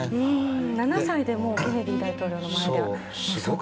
７歳でもうケネディ大統領の前で。